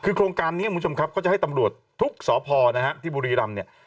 คือโครงการนี้คุณผู้ชมครับก็จะให้ตำรวจทุกสพนะฮะที่บุรีรำเนี่ย